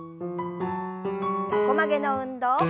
横曲げの運動。